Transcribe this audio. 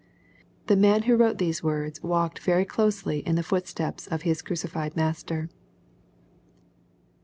The man wh« wrote these words walked very closely in the footsteps of His crucified Master.